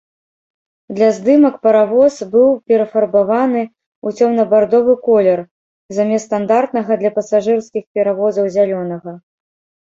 Для здымак паравоз быў перафарбаваны ў цёмна-бардовы колер, замест стандартнага для пасажырскіх паравозаў зялёнага.